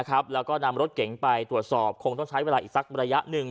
แล้วก็นำรถเก๋งไปตรวจสอบคงต้องใช้เวลาอีกสักระยะหนึ่ง